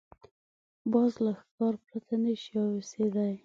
باز له ښکار پرته نه شي اوسېدای